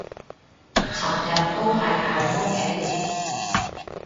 尋日都係喺屋企